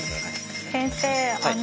先生